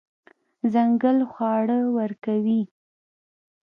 ځنګل خواړه ورکوي.